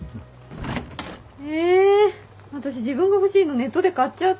えあたし自分が欲しいのネットで買っちゃったよ。